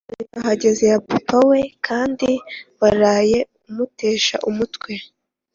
moto nahageze papa wawe kandi waraye umutesha umutwe